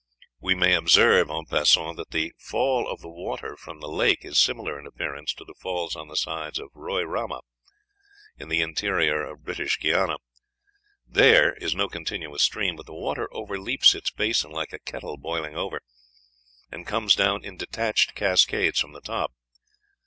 We may observe, en passant, that the fall of the water from the lake is similar in appearance to the falls on the sides of Roairama, in the interior of British Guiana; there, is no continuous stream, but the water overleaps its basin like a kettle boiling over, and comes down in detached cascades from the top.